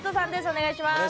お願いします。